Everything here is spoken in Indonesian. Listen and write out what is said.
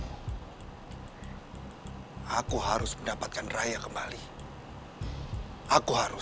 sekarang sedang menyakiti anakmu